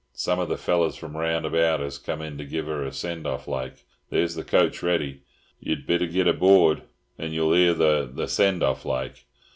Some of the fellers from round about 'as come in to give her a send off like. There's the coach ready; yer'd better git aboard, and yer'll hear the the send off like.